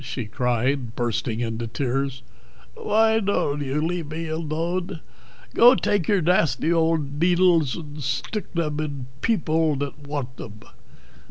she cried, bursting into tears. "Why dod't you leave be alode? Go take your dasty old deedles ad stick theb id people that wadt theb."